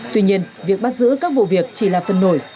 tuy nhiên việc bắt giữ các vụ việc chỉ là phần nổi